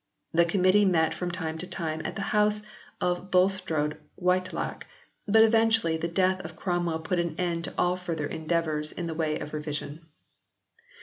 The Committee met from time to time at the house of Bulstrode Whitelocke, but eventually the death of Cromwell put an end to all further endeavours in the way of revision.